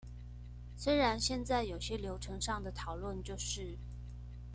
雖然現在有些流程上的討論就是